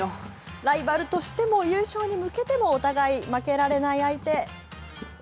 ライバルとしても優勝に向けてもお互い、負けられない相手。